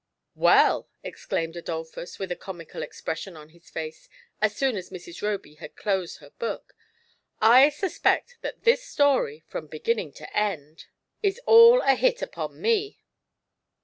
"Well," exclaimed Adolphus, with a comical expres sion on his face, as soon as Mrs. Roby had closed her book, " I suspect that this story, from beginning to end, is all a hit upon me."